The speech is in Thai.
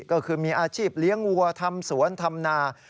ก็คือมีอาชีพเลี้ยงวัวทำสวนทำนา